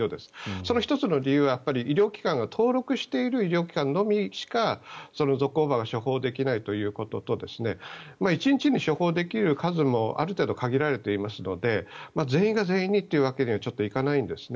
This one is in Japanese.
その１つの理由は登録している医療機関のみしかゾコーバが処方できないということと１日に処方できる数もある程度、限られていますので全員が全員にっていうわけにはちょっといかないんですね。